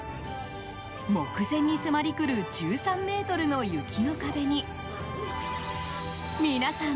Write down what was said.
目前に迫り来る１３ｍの雪の壁に皆さん